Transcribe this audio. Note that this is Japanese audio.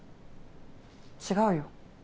違うよ。